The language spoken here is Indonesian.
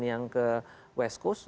yang ke west coast